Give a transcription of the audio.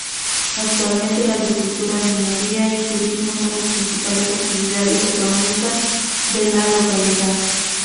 Actualmente la agricultura, minería y turismo son las principales actividades económicas de la localidad.